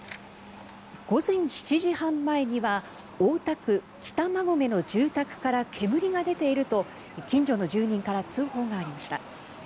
午前７時半前には大田区北馬込の住宅から煙が出ていると近所の住人から通報がありました。